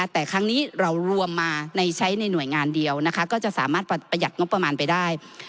แต่ครั้งนี้เรารวมมาใช้ในหน่วยงานเดียวนะคะก็จะสามารถประหยัดงบประมาณไปได้